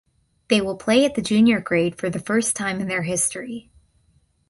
They will play at the junior grade for the first time in their history.